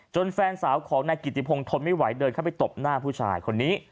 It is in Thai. แฟนสาวของนายกิติพงศ์ทนไม่ไหวเดินเข้าไปตบหน้าผู้ชายคนนี้